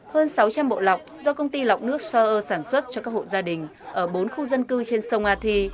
hơn sáu trăm linh bộ lọc do công ty lọc nước soe sản xuất cho các hộ gia đình ở bốn khu dân cư trên sông athi